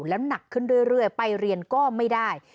แล้วหนักขึ้นเรื่อยไปเรียนก็ไม่ได้